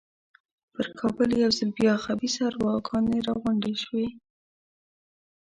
پر کابل یو ځل بیا خبیثه ارواګانې را غونډې شوې.